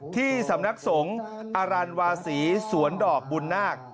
ที่สำนักสงฆ์อรันวาศีสวนดอกบุญนาค